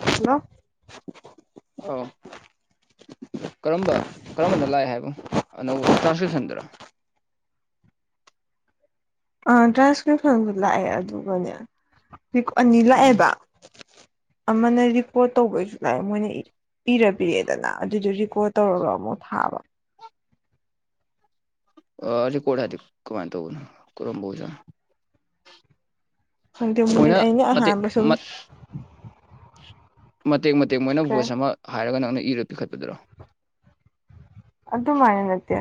Hello ꯑ ꯀꯔꯝꯕ ꯀꯔꯝꯕꯅ ꯂꯥꯛꯑꯦ ꯍꯥꯏꯕꯨ ꯑꯅꯧꯕꯅ ꯇ꯭ꯔꯥꯟꯁꯀ꯭ꯔꯤꯞꯁꯟꯗꯨꯔ [inaudible] ꯑꯥ ꯇ꯭ꯔꯥꯟꯁꯀ꯭ꯔꯤꯠ ꯐꯁꯨ ꯂꯥꯛꯑꯦ ꯑꯗꯨꯒꯅꯦ ꯍꯧ ꯑꯅꯤ ꯂꯥꯛꯑꯦꯕ ꯑꯃꯅ ꯔꯤꯄꯣꯔꯠ ꯇꯧꯕꯁꯨ ꯂꯥꯛꯑꯦ ꯃꯣꯏꯅ ꯄꯤꯔ ꯄꯤꯔꯦꯗꯅ ꯑꯗꯨꯗꯣ ꯔꯤꯀ꯭ ꯇꯧꯔꯒ ꯑꯃꯨꯛ ꯊꯥꯕ ꯑ ꯑꯗꯨ ꯀꯣꯠ ꯍꯥꯏꯗꯤ ꯀꯃꯥꯏꯅ ꯇꯧꯕꯅ ꯀꯔꯝꯕꯖ ꯈꯪꯗꯦ ꯃꯣꯏ ꯃꯣꯏꯅ ꯑꯩꯅ ꯃꯇꯦꯛ ꯑꯍꯥꯟꯕ ꯁꯨꯝ ꯃꯇꯦꯛ ꯃꯇꯦꯛ ꯃꯣꯏꯅ ꯚꯣꯏꯁ ꯑꯃ ꯍꯥꯏꯔꯒ ꯅꯪꯅ ꯏꯔ ꯄꯤꯈꯠꯄꯗꯨꯔꯣ ꯑꯗꯨ ꯑꯗꯨ ꯃꯥ ꯅꯠꯇ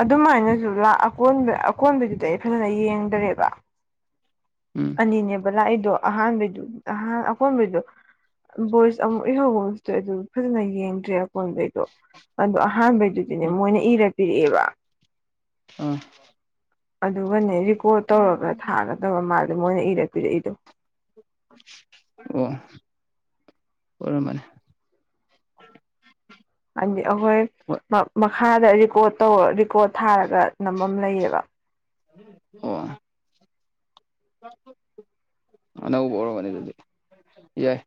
ꯑꯗꯨꯃꯥꯏꯅꯁꯨ ꯑꯀꯕ ꯑꯀꯣꯟꯕꯗꯨꯗꯤ ꯑꯩ ꯐꯖꯅ ꯌꯦꯡꯗꯔꯦꯕ ꯎꯝ ꯑꯅꯤꯅꯦꯕ ꯂꯥꯛꯏꯗꯣ ꯑꯍꯥꯟꯕꯩꯗꯨ ꯑꯍꯣꯟꯕꯩꯗꯣ ꯚꯣꯏꯁ ꯑꯃꯨꯛ ꯏꯍꯧꯕ ꯑꯃꯁꯇ ꯑꯗꯨ ꯐꯖꯅ ꯌꯦꯡꯗ꯭ꯔꯦ ꯑꯀꯣꯟꯗꯩꯗꯣ ꯑꯗꯣ ꯑꯍꯥꯟꯕꯩꯗꯨꯗꯤꯅꯦ ꯃꯣꯏꯅ ꯏꯔ ꯄꯤꯔꯛꯑꯦꯕ ꯑ ꯑꯗꯨꯒꯅꯦ ꯔꯤꯀꯣꯔꯠ ꯇꯧꯔꯒ ꯊꯥꯒꯗꯧꯔ ꯃꯥꯜꯗ ꯃꯣꯏꯅ ꯏꯔꯄꯤꯔꯛꯏꯗꯣ ꯑꯣ ꯑꯣꯏꯔꯝꯕꯅꯤ ꯑ ꯑꯈꯣꯏ ꯃꯈꯥꯗ ꯔꯦꯀꯣꯔꯠ ꯇꯧꯔ ꯔꯦꯀꯣꯔꯠ ꯊꯥꯔꯒ ꯅꯝꯐꯝ ꯑꯃ ꯂꯩꯌꯦꯕ ꯑꯣ ꯑꯅꯧꯕ ꯑꯣꯏꯔꯔꯕꯅꯤ ꯑꯗꯨꯗꯤ ꯌꯥꯏ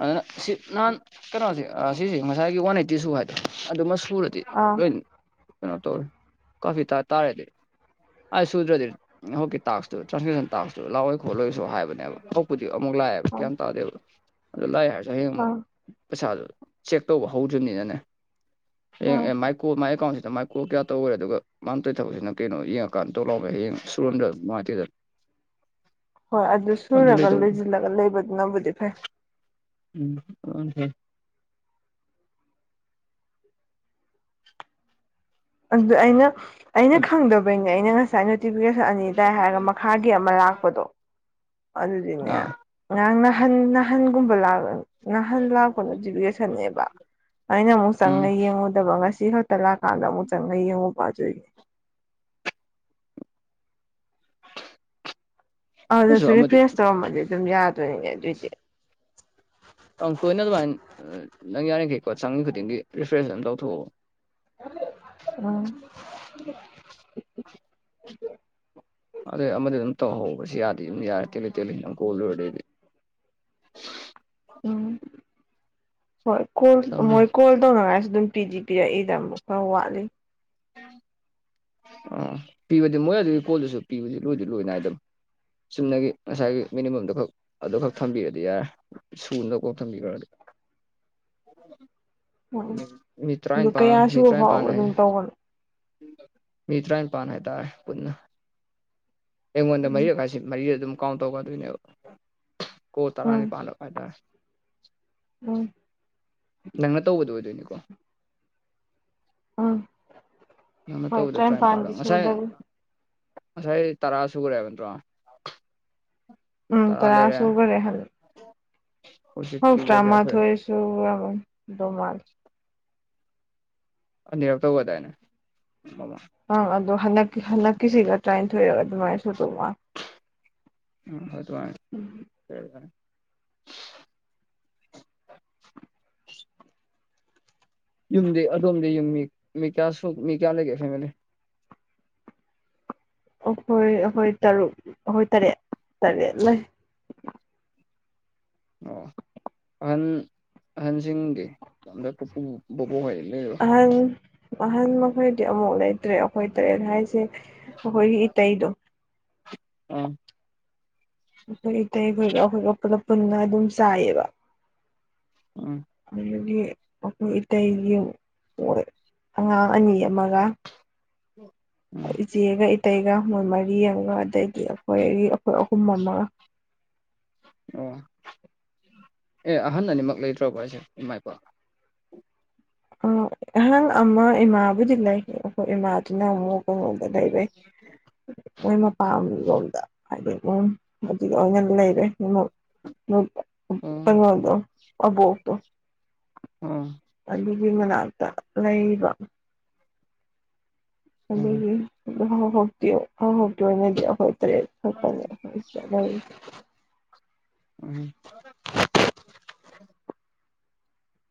ꯑꯗꯨꯅ ꯁꯤ ꯅꯍꯥꯟ ꯀꯩꯅꯣꯁꯦ ꯁꯤꯁꯦ ꯉꯁꯥꯏꯒꯤ ꯋꯥꯟ ꯑꯩꯠꯇꯤ ꯁꯨ ꯍꯥꯏꯗꯣ ꯑꯗꯨꯃ ꯗꯤ ꯑꯥ ꯀꯩꯅꯣ ꯇꯧ ꯀꯥꯐꯤ ꯇꯥ ꯇꯥꯔꯦꯗꯤ ꯑꯩ ꯁꯨꯗ꯭ꯔꯗꯤ ꯍꯧꯀꯤ ꯇꯇꯨ ꯇ꯭ꯔꯥꯟꯁꯁꯟ ꯇꯇꯨ ꯂꯥꯛꯑꯣꯏ ꯈꯣꯠꯂꯣꯏꯁꯨ ꯍꯥꯏꯕꯅꯦꯕ ꯑꯃꯨꯛ ꯂꯥꯛꯑꯦ ꯑꯥ ꯀ ꯑꯗꯨ ꯂꯥꯏ ꯍꯥꯏꯔꯁꯨ ꯍꯌꯦꯡ ꯑꯃꯨꯛ ꯑꯥ ꯄꯩꯁꯥꯗꯨ ꯆꯦꯛ ꯇꯧꯕ ꯍꯧꯗ꯭ꯔꯔꯤꯕꯅꯤꯅꯅꯦ ꯑꯥ ꯑꯦ ꯃꯥꯏꯀꯣ ꯃꯥꯏꯀꯟ ꯑꯗ ꯃꯥꯏꯀꯣꯜ ꯀꯌꯥ ꯇꯧꯈꯔꯦ ꯑꯗꯨꯒ ꯃ ꯇꯣꯏ ꯊꯕꯛꯁꯤꯅ ꯀꯩꯅꯣ ꯌꯦꯡꯉꯀꯥꯟꯗ ꯇꯣ ꯂꯥꯎꯑꯒ ꯍꯌꯦꯡ ꯁꯨꯔꯣꯗ ꯅꯨꯡꯉꯥꯏꯇꯦꯗꯅ ꯍꯣꯏ ꯑꯗꯨ ꯁꯨꯔꯒ ꯂꯣꯏꯁꯤꯜꯂꯒ ꯂꯩꯕꯗꯨꯅꯕꯨꯗꯤ ꯐꯩ ꯎꯝ ꯑ ꯍ ꯑꯗꯨꯗ ꯑꯩꯅ ꯑꯩꯅ ꯈꯪꯗꯕꯩꯅꯦ ꯑꯩꯅ ꯉꯁꯥꯏ ꯅꯣꯇꯤꯐꯤꯀꯦꯁꯟ ꯑꯅꯤ ꯇꯥꯏ ꯍꯥꯏꯔꯒ ꯃꯈꯥꯒꯤ ꯑꯃ ꯂꯥꯛꯄꯗꯣ ꯑꯗꯨꯗꯤꯅꯦ ꯑꯥ ꯉꯔꯥꯡ ꯅꯍꯥꯟ ꯅꯍꯟꯒꯨꯝꯕ ꯂꯥꯛ ꯅꯍꯥꯟ ꯂꯥꯛꯄ ꯅꯣꯇꯤꯐꯤꯀꯦꯁꯟꯅꯦꯕ ꯑꯩꯅ ꯑꯃꯨꯛ ꯎꯝ ꯆꯪꯉ ꯌꯦꯡꯉꯨꯗꯕ ꯉꯁꯤ ꯈꯛꯇ ꯀꯂ ꯀꯥꯟꯗ ꯑꯃꯨꯛ ꯆꯪꯉ ꯌꯦꯡꯎꯕ ꯑꯗꯨꯏ꯫ ꯑꯗꯨꯁꯨ ꯔꯤꯐ꯭ꯔꯦꯁ ꯇꯧꯔꯝꯃꯗꯤ ꯑꯗꯨꯝ ꯌꯥꯗꯣꯏꯅꯦ ꯑꯗꯨꯏꯗꯤ ꯑꯪ ꯇꯣꯏꯅ ꯑꯗꯨꯃꯥꯏꯅ ꯅꯪ ꯌꯥꯔꯤꯈꯩꯀꯣ ꯁꯪ ꯈꯨꯗꯤꯡꯒꯤ ꯔꯤꯐꯔꯦꯟꯁ ꯑꯗꯨ ꯇ ꯂꯧꯊꯣꯛꯑꯣ ꯎꯝ ꯑꯗꯨꯗ ꯑꯃꯗ ꯑꯗꯨꯝ ꯇꯧꯍꯧꯕꯁꯨ ꯌꯥꯗꯦ ꯑꯗꯨꯝ ꯌꯥꯔꯦ ꯇꯦꯜꯂꯤ ꯇꯦꯜꯂꯤ ꯑꯗꯨ ꯀꯣꯜꯂꯨꯔꯗꯤꯗꯤ [unintelligible] ꯎꯝ [unintelligible] ꯍꯣꯏ ꯀꯣꯜ ꯃꯣꯏ ꯀꯣꯜ ꯇꯧꯅꯉꯥꯏꯁꯨ ꯑꯗꯨꯝ ꯄꯤꯗꯤ ꯄꯤꯔꯛꯏꯗ ꯑꯃꯨꯛ ꯈꯔ ꯋꯥꯠꯂꯤ [unintelligible] ꯑ ꯄꯤꯕꯗꯤ ꯃꯣꯏ ꯑꯗꯨꯒꯤ ꯐꯣꯜꯗꯨꯁꯨ ꯄꯤꯕꯗꯤ ꯂꯣꯏꯗꯤ ꯂꯣꯏ ꯅꯥꯏꯗꯕꯅꯦ ꯆꯨꯝꯅꯒꯤ ꯉꯁꯥꯏꯒꯤ ꯃꯤꯅꯤꯃꯝꯗꯨ ꯈꯛ ꯑꯗꯨ ꯈꯛ ꯊꯝꯕꯤꯔꯗꯤ ꯌꯥꯔꯦ ꯁꯨꯅꯕ ꯈꯥꯛ ꯊꯝꯕꯤꯈ꯭ꯔꯗꯤ [unintelligible] ꯎꯝ ꯃꯤ ꯑꯗꯨ ꯇꯔꯥꯅꯤꯄꯟ ꯀꯌꯥ mi ꯁꯨꯕ ꯐꯥꯎ ꯇꯔꯥꯅꯤꯄꯥꯟ ꯍꯥꯏ ꯑꯗꯨꯝ ꯇꯧꯕꯅꯣ ꯃꯤ ꯇꯔꯥꯅꯤꯄꯟ ꯍꯥꯏꯇꯥꯥꯔꯦ ꯄꯨꯟꯅ ꯑꯩꯉꯣꯟꯗ ꯎꯝ ꯃꯔꯤꯛ ꯔꯛ ꯍꯥꯏꯁꯦ ꯃꯔꯤ ꯃꯛ ꯑꯗꯨꯝ ꯀꯥꯎꯟ ꯇꯧꯒꯗꯣꯏꯅꯦꯕ ꯀꯣꯜ ꯎꯝ ꯇꯔꯥꯅꯤꯄꯥꯟ ꯔꯥꯛ ꯍꯥꯏꯇꯥꯔꯦ ꯎꯝ ꯅꯪꯅ ꯇꯧꯕꯗꯣ ꯑꯣꯏꯗꯣꯏꯅꯤꯀꯣ ꯎꯝ ꯅꯪꯅ ꯍꯣꯏ ꯇꯧꯕꯗ ꯇꯥꯔꯥꯅꯤꯄꯟ ꯇꯔꯥꯅꯤꯄꯥꯜꯂꯣ ꯗꯤ ꯉꯁꯥꯏ ꯁꯨꯗꯔꯤ ꯉꯁꯥꯏ ꯇꯔꯥ ꯁꯨꯈꯔꯦ ꯍꯥꯏꯕꯥ ꯅꯠꯇ꯭ꯔꯣ ꯎꯝ ꯇꯔꯥ ꯁꯨꯒꯔꯦ ꯍꯣꯏ ꯍꯧꯖꯤꯛꯀꯤꯒ ꯇꯔꯥ ꯀꯌꯥ ꯁꯨꯔꯦ ꯃꯊꯣꯏ ꯁꯨꯒꯔꯕ ꯃꯥꯜꯂꯦ ꯑꯅꯤ ꯔꯛ ꯇꯧꯒꯔ ꯗꯥꯏꯅꯦ ꯑ ꯑꯗꯨꯗꯣ ꯍꯟꯗꯛꯀꯤ ꯍꯟꯛꯀꯤꯁꯤꯒ ꯇ꯭ꯔꯥꯏꯅꯤꯟꯊꯣꯏꯔꯒ ꯑꯗꯨꯃꯥꯏꯅ ꯗ ꯋꯥ ꯍꯣꯏ ꯑꯗꯨꯃꯥꯏꯅ ꯎꯝ ꯌꯨꯝꯗꯤ ꯑꯗꯣꯝꯗꯤ ꯌꯨꯝ ꯃꯤ ꯃꯤ ꯀꯌꯥꯝ ꯃꯤ ꯀꯌꯥ ꯂꯩꯒꯦ ꯐꯦꯃꯤꯂꯤ ꯑꯩꯈꯣꯏ ꯑꯩꯈꯣꯏ ꯇꯔꯨꯛ ꯑꯩꯈꯣꯏ ꯇꯔꯦꯠ ꯇꯔꯦꯠ ꯂꯩ ꯑꯣ ꯑꯍꯟ ꯑꯍꯟꯁꯤꯡꯗꯤ ꯅꯣꯏ ꯄꯨꯄꯨ ꯕꯨꯕꯣꯛ ꯅ ꯂꯩꯕꯔꯣ ꯑꯍꯜ ꯃꯈꯣꯏꯗꯤ ꯑꯃꯕꯣꯛ ꯂꯩꯇ꯭ꯔꯦ ꯑꯩꯈꯣꯏ ꯇꯔꯦꯠ ꯍꯥꯏꯁꯦ ꯑꯩꯈꯣꯏꯒꯤ ꯏꯇꯩꯗꯣ ꯑꯥ ꯑꯩꯈꯣꯏ ꯏꯇꯩꯈꯣꯏꯒ ꯑꯩꯈꯣꯏꯒ ꯄꯨꯂꯞ ꯄꯨꯟꯅ ꯑꯗꯨꯝ ꯆꯥꯏꯌꯦꯕ ꯑꯥ ꯑꯗꯒꯤ ꯃꯣꯏ ꯏꯇꯩꯒꯤ ꯃꯣꯏ ꯑꯉꯥꯡ ꯑꯅꯤ ꯑꯃꯒ ꯑꯥ ꯏꯆꯦ ꯒꯥ ꯏꯇꯩ ꯒꯥ ꯃꯣꯏ ꯃꯔꯤ ꯑꯃ ꯑꯗꯩꯗꯤ ꯑꯩꯈꯣꯏ ꯑꯩꯈꯣꯏ ꯑꯍꯨꯝ ꯑꯃꯒ ꯑꯣ ꯑꯦ ꯑꯍꯟ ꯑꯅꯤꯃꯛ ꯂꯩꯇ꯭ꯔꯕꯣ ꯍꯥꯢꯁꯦ ꯏꯃꯥ ꯏꯄꯥ ꯑ ꯑꯍꯪ ꯑꯃ ꯏꯃꯥꯕꯨꯗꯤ ꯂꯩ ꯑꯩꯈꯣꯏ ꯏꯃꯥꯗꯨꯅ ꯑꯃꯨꯛ ꯂꯣꯝꯗ ꯂꯩꯔꯦ ꯃꯣꯏ ꯃꯄꯥꯟ ꯂꯣꯝꯗ ꯍꯥꯏꯗꯤ ꯃꯝ ꯑꯗꯨꯗꯣ ꯉ ꯂꯩꯔꯦ ꯎꯝ ꯀꯩꯅꯣꯗꯣ ꯑꯕꯣꯛ ꯇꯣ ꯎꯝ ꯑꯗꯨꯒꯤ ꯃꯅꯥꯛꯇꯥ ꯂꯩꯕ ꯎꯝ ꯑꯗꯨꯒꯤ ꯌꯨꯗꫭ ꯍ ꯍ ꯍꯥꯎꯇꯦ ꯍ ꯍꯥꯎꯇꯦꯃꯦꯒꯤ ꯊꯥꯡ ꯁꯨꯔꯤꯖꯤꯕꯨ ꯁꯤꯖ ꯈꯪꯗꯦ ꯎꯝ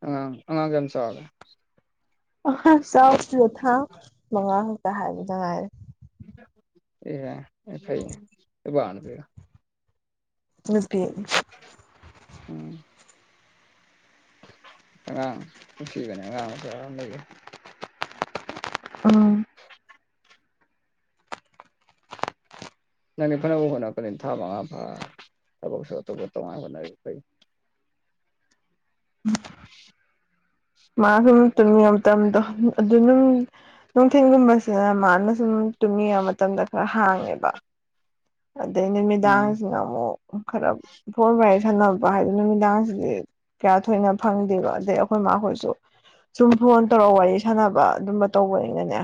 ꯑ ꯑꯉꯥꯡ ꯀꯌꯥꯝ ꯆꯥꯎꯔꯦ ꯑ ꯍꯥ ꯆꯥꯎꯗꯔꯤ ꯊꯥ ꯃꯉꯥ ꯈꯛꯇ ꯍꯥꯏꯕꯗ ꯉꯥꯏꯔꯦ ꯑꯦ ꯑꯦ ꯐꯩ ꯅꯦ ꯅꯨꯄꯔ ꯅꯨꯄꯤꯔ ꯅꯨꯄꯤ ꯎꯝ ꯑꯉꯥꯡ ꯅꯨꯡꯁꯤꯕꯅꯦ ꯑꯉꯥꯡ ꯃꯆꯥꯃ ꯂꯩꯕꯖꯦ ꯎꯝ ꯅꯪꯗꯤ ꯐꯅꯕ ꯍꯣꯠꯅꯄꯅꯤ ꯊꯥ ꯃꯉꯥ ꯐꯥ ꯊꯕꯛꯁꯨ ꯑꯇꫭꯞꯄ ꯇꫭꯉꯥꯟꯅ ꯍꫭꯠꯅꯔꯤ ꯐꯩ ꯃꯥ ꯁꯨꯝ ꯇꯨꯝꯅꯤꯉ ꯃꯇꯝꯗꯣ ꯑꯗꯗꯨꯝ ꯅꯨꯡꯊꯤꯟꯒꯨꯝꯕꯁꯦ ꯃꯥꯅ ꯁꯨꯝ ꯇꯨꯝꯅꯤꯌ ꯃꯇꯝꯗ ꯈꯔ ꯍꯥꯡꯉꯦꯕ ꯑꯗꯩ ꯎꯝ ꯅꯨꯃꯤꯗꯥꯡꯁꯤꯅ ꯑꯃꯨꯛ ꯈꯔ ꯐꯣꯟ ꯋꯥꫪꯤ ꯁꯥꯟꯅꯕ ꯍꯥꯏꯕ ꯅꯨꯃꯤꯗꯥꯡꯁꯤꯗꯤ ꯀꯌꯥ ꯊꯣꯏꯅ ꯐꯪꯗꯦꯕ ꯑꯗꯩ ꯑꯩꯈꯣꯏ ꯃꯥ ꯍꫭꯏ ꯆꯨ ꯁꯨꯝ ꯐꯣꯟ ꯇꯧꯔ ꯋꯥꯔꯤ ꯁꯥꯟꯅꯕ ꯑꯗꯨꯝꯕ ꯇꯧꯕꯅꯤꯅꯅꯦ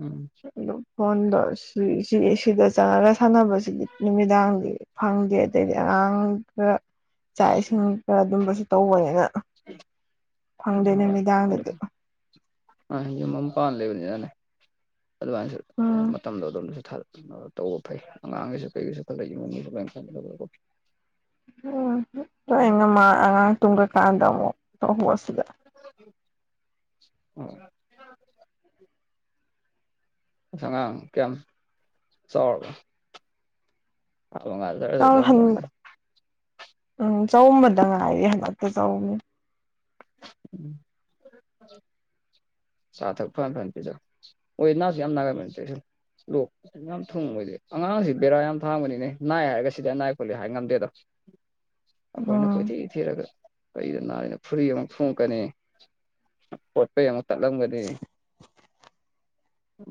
ꯎꯝ ꯑꯗꯨ ꯐꯣꯟꯗꯣ ꯁꯤ ꯁꯤ ꯁꯤꯗ ꯆꯪꯉꯒ ꯁꯥꯟꯅꯕꯁꯤꯗꯤ ꯅꯨꯃꯤꯗꯥꯡꯗꯤ ꯐꯪꯗꯦ ꯑꯗꯩꯗꯤ ꯑꯉꯥꯡ ꯥꯑꯪ ꯈꯔ ꯆꯥꯛ ꯏꯁꯤꯡ ꯈꯔ ꯑꯗꯨꯝꯕꯁꯤ ꯇꯧꯕꯅꯤꯅ ꯎꯝ ꯐꯪꯗꯦ ꯍꯣꯏ ꯑꯗꯨ ꯅꯨꯃꯤꯗꯥꯡꯗꯗꯤ ꯑ ꯌꯨꯝ ꯑꯃ ꯄꯜ ꯂꯤꯕꯅꯤꯅꯅꯦ ꯑꯗꯨꯀꯥꯟꯁꯨ ꯑꯝ ꯎꯝ ꯃꯇꯝꯗꯣ ꯑꯗꫭꯝꯗ ꯆꯤꯊꯕ ꯇꯨꯝꯅ ꯇꯧꯕ ꯐꯩ ꯑꯉꯥꯡꯒꯤꯁꯨ ꯀꯩꯒꯤꯁꯨ ꯈꯒ ꯌꯦꯡꯉꯨ ꯅꫭꯏꯕꫭꯂꯥꯏꯄ ꯆꯥꯟꯕꯤꯗꯔꯕ ꯅꫭꯏꯕꫭ ꯎꯝ ꯍꯨꯛ ꯈꯔ꯭ꯗꯤꯉꯝꯃ ꯑꯉꯥꯡ ꯇꯨꯝꯒꯔꯀꯥꯟꯗ ꯑꯃꯨꯛ ꯇ ꯍꯨꯝ ꯎꯝ ꯃꯁꯛ ꯑꯉꯥꯡ ꯀꯌꯥꯝ ꯆꯥꯎ ꯑꯕ ꯉꯗꯔ [unintelligible] ꯆ ꯐꯂꯅꯤ ꯎꯝ ꯆꯒꯨꯝꯕꯗ ꯉꯥꯏꯔꯤꯌꯦ ꯍꯟꯗꯛꯇ ꯆꯍꯨꯝꯅꯤ ꯎꯝ ꯆꯥ ꯊꯛ ꯐꯟ ꯐꯟ ꯄꯤꯖꯧ ꯑꫭꯏ ꯅꯥꯁꯨ ꯌꯥꯝ ꯅꯒꯟꯕꯅꯦ ꯆꯦꯛꯁꯜꯂꫭ ꯂꯣꯛ ꯀꯁꯦ ꯌꯥꯝ ꯊꯨꯡꯕꯖꯦ ꯑꯉꯥꯡꯁꯤ ꯕꯦꯔꯥ ꯌꯥꯝ ꯊꯥꯡꯕꯅꯤꯅꯦ ꯅꯥꯏ ꯍꯥꯏꯔꯒ ꯁꯤꯗꯤ ꯅꯥꯏ ꯈꯣꯠꯂꯤ ꯍꯥꯏ ꯉꯝꯗꯦꯗꫭ ꯑꯈꫭꯏꯅ ꯀꯣꯏ ꯎꯝ ꯊꯤ ꯊꯤꯔꯒ ꯀꯩꯗ ꯅꯥꯏꯅꫭ ꯐꯨꯔꯤ ꯑꯃꯨꯛ ꯊꯨꯡꯉꯛꯀꯅꯤ ꯄꯣꯠꯄꯩ ꯑꯃ ꯆꯠꯂꯝꯒꯅꯤ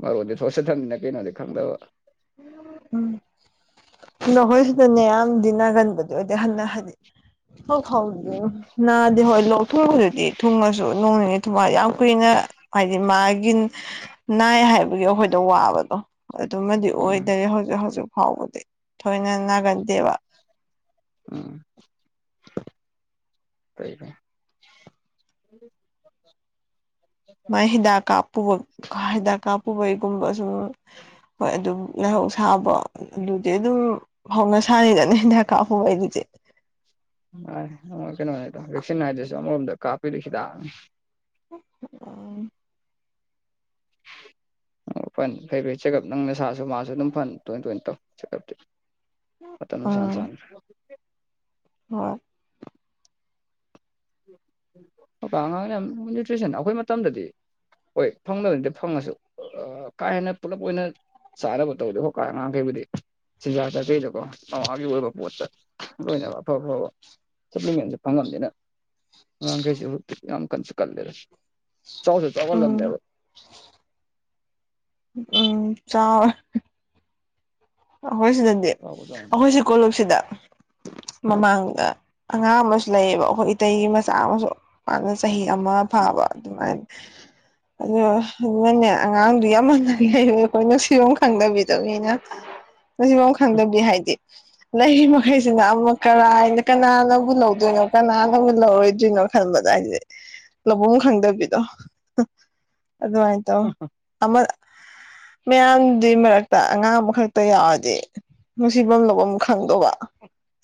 ꯃꯔꯨꯗꯤ ꯊꫭꯠꯁꯤꯠ ꯊꯝꯃꯤꯅ ꯀꯩꯅꯣꯗꯤ ꯈꯪꯗꯕ ꯅꯈꯣꯏꯁꯤꯗꯅꯦꯌꯥꯝ ꯗꯤꯅꯒꯟꯕꯗꫭ ꯑꯗꯩ ꯍꯟꯅ ꯍꯥꯏꯅꯤ ꯍꫭ ꯍꯥꯎ ꯎꯝ ꯅꯥꯗꯦ ꯍꯣꯏ ꯂꯣꯛ ꯊꯨꯡꯕꯗꯨꯗꯤ ꯊꯨꯡꯉꯁꯨ ꯅꯣꯡ ꯅꯤꯅꯤ ꯊꯨꯝꯃꯥꯏ ꯌꯥꯝ ꯀꯨꯏꯅ ꯍꯥꯏꯗꯤ ꯃꯥꯒꯤ ꯅꯥꯏ ꯍꯥꯏꯕꯒꯤ ꯑꯩꯈꯣꯏꯗ ꯋꯥꯕꯗꯣ ꯑꯗꯨꯃꯗꯤ ꯎꯝ ꯑꯣꯏꯗꯔꯦ ꯍꯧꯖꯤꯛ ꯍꯧꯖꯤꯛ ꯐꯥꯎꯕꯗꯤ ꯊꯣꯏꯅ ꯅꯥꯒꯟꯗꯦꯕ ꯎꯝ ꯀꯩꯕꫭ ꯃꯥꯏ ꯍꯤꯗꯥꯛ ꯀꯥꯞꯄꯨꯕ ꯍꯤꯗꯥꯛ ꯀꯥꯞꯄꯨꯕꯩꯒꯨꯝꯕ ꯑꯗꯨ ꯍꯣꯏ ꯑꯗꯨꯝ ꯂꯩꯥꯏꯍꯧ ꯁꯥꯕ ꯑꯗꯨꯗꯤ ꯑꯗꯨꯝ ꯍꯧꯅ ꯁꯥꯅꯤꯗꯅꯦ ꯗꯤꯟꯗꯦꯔꯞ ꯀꯥꯞꯄ ꯑꫭꯏꯗꯔꯤꯖꯦ ꯃꯥꯅꯤ ꯀꯩꯅꯣꯅꯤꯗ ꯚꯦꯛꯁꯤꯟ ꯍꯥꯏꯗꯨꯁꯨ ꯑꯃꯔꯣꯝꯗ ꯀꯥꯞꯄꯤꯔꯤ ꯍꯤꯗꯥꯡ ꯎ ꯑ ꯑꯣ ꯐꯅꯤ ꯐꯩ ꯐꯩ ꯆꯦꯀꯞ ꯅꯪ ꯅꯁꯥꯁꯨ ꯃꯥꯁꯨ ꯑꯗꯨꯝ ꯐꯅ ꯇꯣꯏ ꯇꯣꯏꯅ ꯇꯧ ꯆꯦꯀꯞꯇꯤ ꯄꯇꯝ ꯆꯥꯟ ꯎꯝ ꯆꯥꯟ ꯍꯣꯏ [unintelligible] ꯍꯧꯖꯤꯛ ꯀꯥꯟ ꯑꯉꯥꯡꯅ ꯌꯥꯝ ꯅꯨꯏꯇꯔꯤꯁꯟ ꯑꯩꯈꯣꯏ ꯃꯇꯝꯗꯗꯤ ꯍꯣꯏ ꯐꯪꯗꯕꯅꯠꯇꯦ ꯐꯪꯉꯁꯨ ꯀꯥ ꯍꯦꯟꯅ ꯄꯨꯂꯞ ꯑꯣꯏꯅ ꯆꯥꯅꯕ ꯇꯧꯗꯦ ꯍꯣ ꯀꯥ ꯑꯉꯥꯡꯈꯩꯕꯨꯗꯤ ꯆꯤꯟꯖꯥꯛ ꯆꯥ ꯀꯩꯗꯀꯣ ꯑꯥꯒꯤ ꯑꯣꯏꯕ ꯄꯣꯠꯇ ꯂꯣꯏꯅꯕ ꯑꯐ ꯑꯕ ꯁꯞꯂꯤ ꯃꯦꯟꯁꯦ ꯐꯪꯉꯝꯗꯦꯅ ꯋꯥ ꯀꯩꯁꯤ ꯌꯥꯝ ꯀꯟꯁꯨ ꯀꯜꯂꯔꯦ ꯆꯥꯎꯁꯨ ꯎꯝ ꯆꯥꯎꯜꯂꯝꯅꯦꯕ ꯎꯝ ꯆꯥꯎ ꯑꯩꯈꯣꯏ ꯁꯤꯗꯗꯤ ꯆꯥꯎꯕ ꯆꯥꯎꯅꯤ ꯑꯩꯈꯣꯏ ꯁꯤ ꯀꯣꯂꯨꯞꯨꯁꯤꯗ ꯃꯃꯥꯡꯗ ꯑꯉꯥꯡ ꯑꯃꯁꯨ ꯂꯩꯌꯦꯕ ꯑꯩꯈꯣꯏ ꯏꯇꯩꯒꯤ ꯃꯆꯥ ꯑꯃꯁꯨ ꯄꯥꯅ ꯆꯍꯤ ꯑꯃ ꯐꯥꯕ ꯑꯗꯨꯃꯥꯏꯅ ꯑ ꯑꯗꯨꯅꯅꯦ ꯑꯉꯥꯡꯗꯨ ꯌꯥꯝ ꯃꯟꯅ ꯂꯩꯔꯣꯏ ꯑꯩꯈꯣꯏ ꯅꯨꯡꯁꯤꯕꯣ ꯈꯪꯗꯕꯤꯗꯕꯅꯤꯅ ꯉꯁꯤꯐꯥꯎ ꯈꯪꯗꯕꯗꯤ ꯍꯥꯏꯗꯤ ꯅꯒꯤ ꯃꯈꯩꯁꯤꯅ ꯑꯃ ꯀꯔꯥꯏꯅ ꯀꯅꯥꯅꯕꯨ ꯂꯧꯗꯣꯏꯅꯣ ꯀꯅꯥꯅꯕꯨ ꯂꯧꯔꯣꯏꯗꯣꯏꯅꯣ ꯋꯥ ꯈꯟꯕꯗ ꯍꯥꯏꯗꯤ ꯂꯧꯕꯐꯝ ꯈꯪꯗꯕꯤꯗꯣ ꯑꯗꯨꯃꯥꯏꯅ ꯇꯧ ꯑꯃ ꯃꯌꯥꯝꯗꯨ ꯃꯔꯛꯇ ꯑꯉꯥꯡ ꯑꯃꯈꯛ ꯛꯇ ꯌꯥꯎꯔꯗꯤ ꯅꯨꯡꯁꯤꯐꯝ ꯂꯐꯝꯝ ꯈꯪꯗꯧꯕ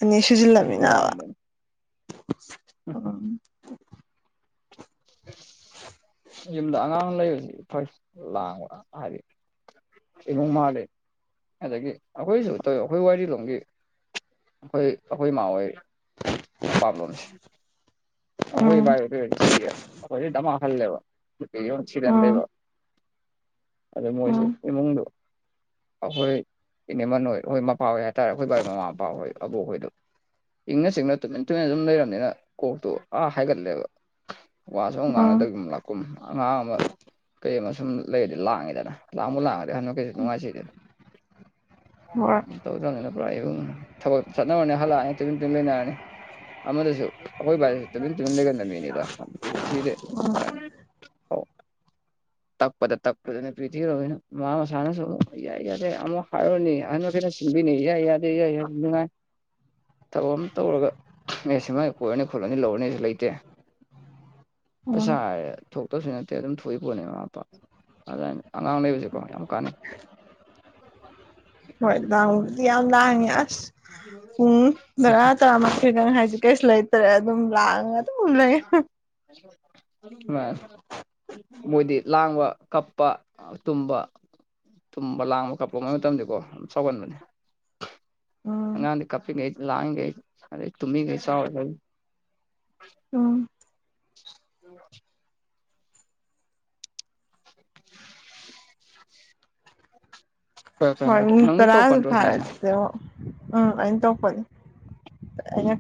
ꯑꯅꯤ ꯎꯝ ꯁꯨꯖꯤꯜꯂꯝꯃꯤꯅꯥꯕ ꯌꯥꯝꯕꯅꯤ ꯎꯝ [unintelligible] ꯌꯨꯝꯗ ꯑꯉꯥꯡ ꯂꯩꯕꯕꯁꯤ ꯐꯣꯏ ꯂꯥꯡꯕ ꯍꯥꯏꯗꯤ ꯏꯕꯨꯡ ꯃꯥꯜꯂꯤꯦ ꯑꯗꯒꯤ ꯑꯩꯈꯣꯏꯁꯨ ꯇꯧꯋ ꯑꯩꯈꯣꯏ ꯋꯥꯔꯤ ꯂꯣꯝꯒꯤ ꯑꯩꯈꯣꯏ ꯑꯩꯈꯣꯏ ꯏꯃꯥ ꯍꯣꯏ ꯃꯄꯥꯝ ꯂꯣꯝꯁꯦ ꯑꯩꯈꯣꯏ ꯎꯝ ꯚꯕꯥꯥꯏ ꯑꯗꯨꯁꯨ ꯁꯌꯦ ꯑꯩꯈꯣꯏꯁꯨ ꯗꯃꯥ ꯍꯜꯂꯦꯕ ꯌ ꯁꯤꯔꯦꯟ ꯎꯝ ꯂꯩꯕ ꯑꯗꯦ ꯃꯣꯏꯁꯨ ꯎꯝ ꯏꯃꯨꯡꯣ [unintelligible] ꯑꯩꯈꯣꯏ ꯏꯅꯦꯃꯟ ꯍꯣꯏ ꯑꯩꯈꯣꯏ ꯃꯄꯥ ꯍꯣꯏ ꯍꯥꯏꯇꯥꯔꯦ ꯑꯩꯈꯣꯏ ꯕꯥꯒꯤ ꯃꯃꯥ ꯃꯄꯥ ꯍꯣꯏ ꯑꯕꯣꯛꯍꯣꯏꯗꯣ ꯏꯪꯅ ꯆꯤꯡꯅ ꯇꯨꯃꯤꯟ ꯇꯨꯃꯤꯟ ꯑꯗꯨꯝ ꯂꯩꯔꯕꯝꯅꯤꯅ ꯀꯣꯛꯇꯨ ꯑꯥ ꯍꯥꯏꯒꯠꯂꯦꯕ ꯋꯥꯁꯨ ꯑꯃꯨꯛ ꯎꯝ ꯉꯥꯡꯅꯗꯒ ꯑꯃꯨꯛ ꯂꯥꯛꯀꯨꯝ ꯑꯉꯥꯡ ꯑꯃ ꯀꯩ ꯑꯃꯁꯨ ꯁꯨꯝ ꯂꯩꯔꯗꯤ ꯂꯥꯡꯉꯤꯗꯅ ꯂꯥꯡꯃꯨ ꯂꯥꯡꯉꯗꯤ ꯍꯟꯗꯛ ꯀꯩꯁꯨ ꯅꯨꯡꯉꯥꯏꯁꯤꯗꯅ ꯍꯣꯏ ꯇꯧꯗꯗꯅ ꯄꯨꯔꯥ ꯊꯕꯛ ꯆꯠꯅꯔꯅꯤ ꯍꯜꯂꯛꯑꯅꯤ ꯇꯨꯃꯤꯟ ꯇꯨꯃꯤꯟ ꯂꯩꯅꯔꯅꯤ ꯑꯃꯗꯁꯨ ꯑꯩꯈꯣꯏ ꯕꯥ ꯇꯨꯃꯤꯟ ꯇꯨꯃꯤꯟ ꯂꯩꯒꯂꯝꯃꯤꯅꯦꯗ ꯊꯤꯔꯦ [unintelligible] ꯇꯛꯄꯗ ꯇꯛꯄꯗꯅꯦ ꯄꯔꯤꯊꯤ ꯔꯣꯅꯣ ꯃꯥꯃ ꯃꯁꯥꯅ ꯁꯏ ꯌꯥ ꯑꯃꯨꯛ ꯍꯔꯅꯤ ꯍꯥꯏꯩꯅ ꯅꯦ ꯌꯥꯏ ꯑꯗꯨ ꯌꯥ ꯑꯗꯨꯉꯥꯏ ꯊꯕꯛ ꯑꯃ ꯇꯧꯔꯒ ꯑꯦ ꯁꯤꯃꯥꯏ ꯀꯣꯏꯔꯅꯤ ꯈꯣꯠꯂꯅꯤ ꯂꯧꯔꯅꯦꯁꯨ ꯂꯩꯇꯦ ꯎꯝ ꯄꯩꯁꯥ ꯊꯣꯛꯇꯕꯁꯨ ꯅꯠꯇꯦ ꯑꯗꯨꯝ ꯊꯣꯛꯏ ꯄꯣꯠꯅꯤ ꯃꯃꯥ ꯃꯄꯥ ꯑꯗꯨꯃꯥꯏꯅ ꯑꯉꯥꯡ ꯂꯩꯕꯕꯁꯤꯦꯀꯣ ꯌꯥꯝ ꯀꯥꯟꯅꯩ ꯍꯣꯏ ꯂꯗꯤ ꯌꯥꯝ ꯂꯉ ꯑꯁ ꯄꯨꯡ ꯇꯔꯥ ꯇꯔꯥꯃꯊꯣꯏꯒ ꯍꯥꯏꯁ ꯀꯩꯁꯨ ꯂꯩꯇ꯭ꯔꯦ ꯑꯗꯨꯝ ꯂꯥꯛꯑꯒ ꯑꯗꯨꯝ ꯂꯩ ꯎ ꯃꯣꯏꯗꯤ ꯂꯥꯡꯕ ꯀꯞꯄ ꯇꯨꯝꯕ ꯊꯨꯝꯕ ꯂꯥꯡꯕ ꯀꯥꯞꯂꯣꯉꯩ ꯃꯇꯝꯗꯀꯣ ꯑꯗꯨ ꯁꯥꯎꯒꯟꯕꯅꯦ ꯎꯝ ꯍꯉꯥꯡ ꯀꯞꯤꯡꯩ ꯂꯍꯥꯡꯩ ꯑꯗ ꯇꯨꯃꯤ ꯀꯩꯁ ꯎꯝ ꯎꯝ ꯍꯣꯏ ꯅꯪ ꯇꯧꯔꯛꯄ ꯇ꯭ꯔꯥꯁ ꯅꯠꯇ꯭ꯔꯣ ꯁꯤꯁꯦ ꯐꯔꯠ ꯎꯝ ꯑꯩꯅ ꯇ ꯀꯅꯤ ꯎꯝ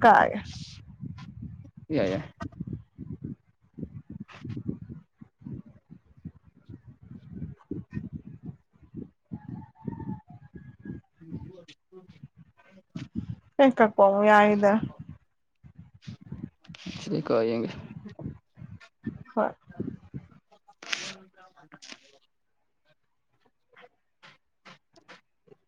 ꯏꯏꯏ [unintelligible] ꯀꯦ ꯀꯄꯝ ꯌꯥꯏꯗ ꯂꯩꯀꯣ ꯑ ꯌꯦꯒꯦ ꯍꯣꯏ [unintelligible] [unintelligible]